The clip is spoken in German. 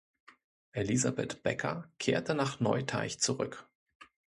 Elisabeth Becker kehrte nach Neuteich zurück.